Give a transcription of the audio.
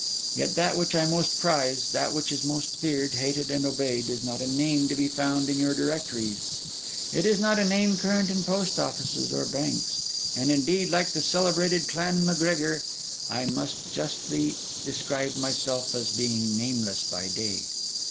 Yet that which I most prize, that which is most feared, hated, and obeyed, is not a name to be found in your directories; it is not a name current in post offices or banks; and, indeed, like the celebrated clan M'Gregor, I may justly describe myself as being nameless by day.